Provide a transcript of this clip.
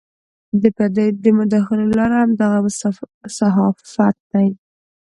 د پردیو د مداخلو لار همدغه صحافت دی.